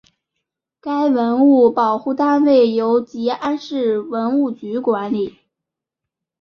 该文物保护单位由集安市文物局管理。